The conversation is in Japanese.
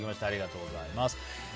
ありがとうございます。